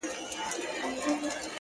• يو گړى نه يم بېغمه له دامونو -